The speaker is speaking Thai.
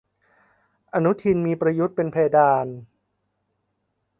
อนุทินมีประยุทธ์เป็นเพดาน